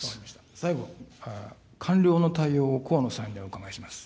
最後、官僚の対応を、河野さんにお伺いします。